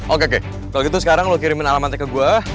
oke kalau gitu sekarang lo kirimin alamatnya ke gue